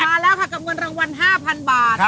มาแล้วค่ะกับเงินรางวัล๕๐๐๐บาท